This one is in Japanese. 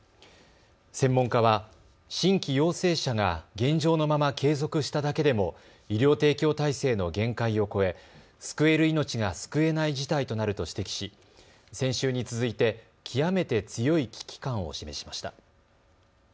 専門家は新規陽性者が現状のまま継続しただけでも医療提供体制の限界を超え救える命が救えない事態となると指摘し先週に続いて極めて強い危機感を示しました。